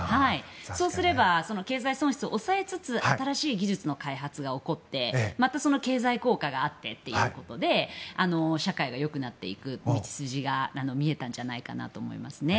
そうすれば経済損失を抑えつつ新しい技術の開発が起こってまた経済効果があってということで社会が良くなっていく道筋が見えたんじゃないかなと思いますね。